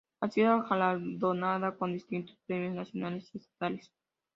Ha sido galardonada con distintos premios nacionales y estatales.